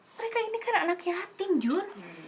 mereka ini kan anak yatim john